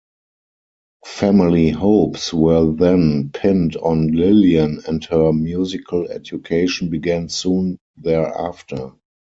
Family hopes were then pinned on Lillian and her musical education began soon thereafter.